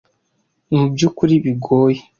Mu byukuri bigoye.